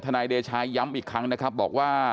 นายเดชาย้ำอีกครั้งนะครับบอกว่า